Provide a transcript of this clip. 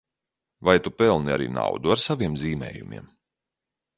Vai tu pelni arī naudu ar saviem zīmējumiem?